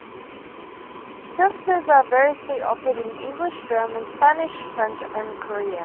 Services are variously offered in English, German, Spanish, French, and Korean.